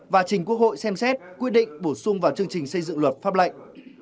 và trình quốc hội xem xét quyết định bổ sung vào chương trình xây dựng luật pháp lệnh